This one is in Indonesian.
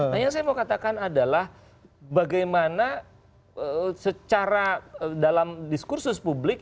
nah yang saya mau katakan adalah bagaimana secara dalam diskursus publik